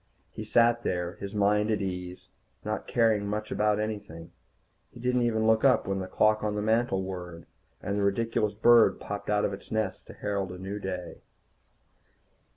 He sat there, his mind at ease, not caring much about anything. He didn't even look up when the clock on the mantel whirred, and the ridiculous bird popped out of its nest to herald a new day.